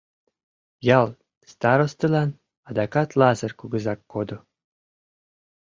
Ял старостылан адакат Лазыр кугызак кодо.